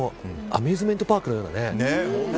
アミューズメントパークのような。